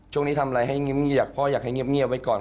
ช่วงนี้ทำอะไรให้อยากพ่ออยากให้เงียบไว้ก่อน